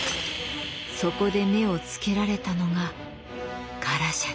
そこで目をつけられたのがガラシャでした。